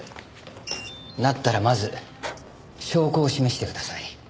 だったらまず証拠を示してください。